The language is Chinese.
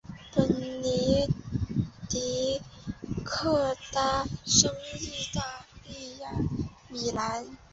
本尼迪克塔生于意大利米兰。